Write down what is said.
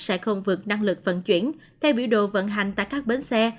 sẽ không vượt năng lực phận chuyển theo biểu đồ vận hành tại các bến xe